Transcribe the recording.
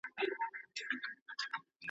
یو نفس به مي هېر نه سي زه هغه بې وفا نه یم!